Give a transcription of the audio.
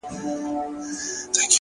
• کال ته به مرمه،